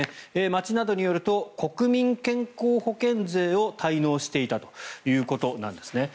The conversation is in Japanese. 町などによると国民健康保険税を滞納していたということなんですね。